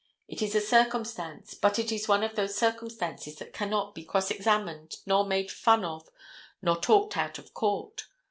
It is a circumstance, but it is one of those circumstances that cannot be cross examined nor made fun of nor talked out of court.